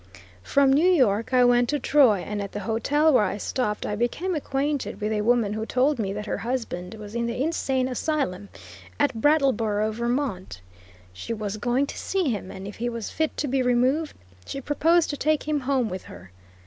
From New York I went to Troy, and at the hotel where I stopped I became acquainted with a woman who told me that her husband was in the Insane Asylum at Brattleboro, Vt. She was going to see him, and if he was fit to be removed, she proposed to take him home, with her.